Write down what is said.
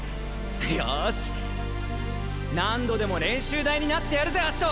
よし何度でも練習台になってやるぜアシト！